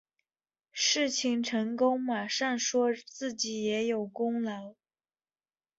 事情成功马上说自己也有功劳